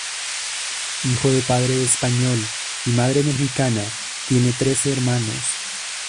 Hijo de padre español y madre mexicana, tiene tres hermanos.